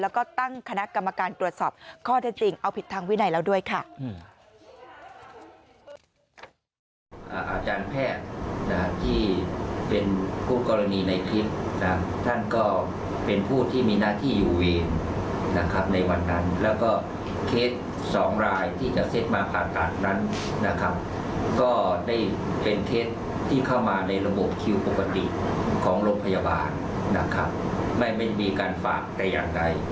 แล้วก็ตั้งคณะกรรมการตรวจสอบข้อเท็จจริงเอาผิดทางวินัยแล้วด้วยค่ะ